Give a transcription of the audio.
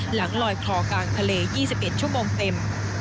หลังลอยคลอกลางทะเล๒๑ชั่วโมงเต็ม